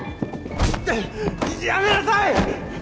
うっやめなさい。